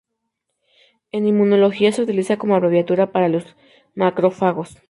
En Inmunología, se utiliza como abreviatura para los macrófagos.